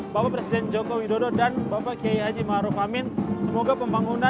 bhinneka tunggal ika walaupun berbeda